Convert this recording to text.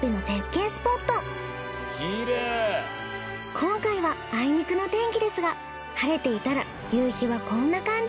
今回はあいにくの天気ですが晴れていたら夕日はこんな感じ。